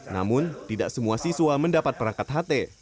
namun tidak semua siswa mendapat perangkat ht